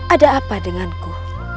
ada apa denganku